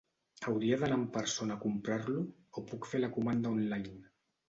Hauria d'anar en persona a comprar-lo, o puc fer la comanda online?